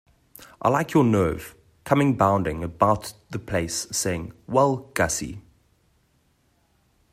I like your nerve, coming bounding about the place, saying 'Well, Gussie.'